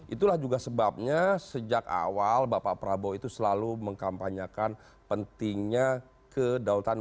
itulah juga sebabnya sejak awal bapak prabowo itu selalu mengkampanyakan pentingnya ke dautan